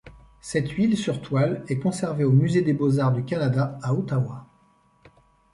Cette huile sur toile est conservée au musée des beaux-arts du Canada, à Ottawa.